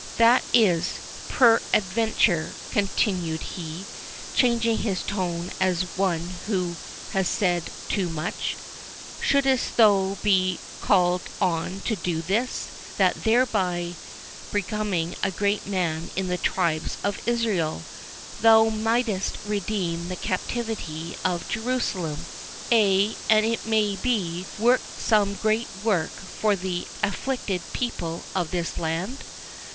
—that is, peradventure," continued he, changing his tone as one who has said too much, "shouldst thou be called on to do this, that thereby becoming a great man in the tribes of Israel, thou mightest redeem the captivity of Jerusalem—ay, and it may be, work some great work for the afflicted people of this land?"